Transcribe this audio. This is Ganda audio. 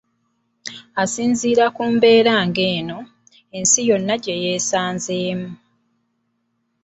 Asinziira ku mbeera ng'eno, ensi yonna gye yeesanzeemu